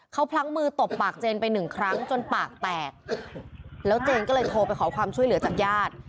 เขาพลั้งมือตบปากเจนไปหนึ่งครั้งจนปากแตกแล้วเจนก็เลยโทรไปขอความช่วยเหลือจากญาติ